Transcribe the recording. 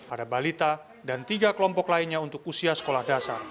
ada balita dan tiga kelompok lainnya untuk usia sekolah dasar